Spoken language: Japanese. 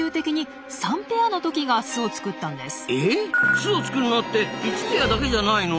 巣を作るのって１ペアだけじゃないの！？